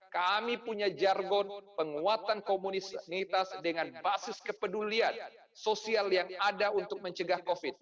kami punya jargon penguatan komunitas dengan basis kepedulian sosial yang ada untuk mencegah covid sembilan belas